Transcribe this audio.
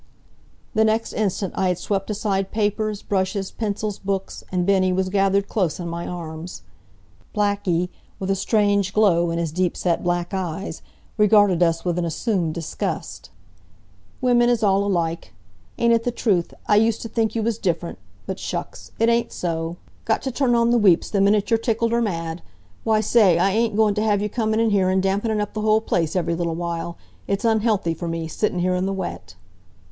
The next instant I had swept aside papers, brushes, pencils, books, and Bennie was gathered close in my arms. Blackie, with a strange glow in his deep set black eyes regarded us with an assumed disgust. "Wimmin is all alike. Ain't it th' truth? I used t' think you was different. But shucks! It ain't so. Got t' turn on the weeps the minute you're tickled or mad. Why say, I ain't goin' t' have you comin' in here an' dampenin' up the whole place every little while! It's unhealthy for me, sittin' here in the wet."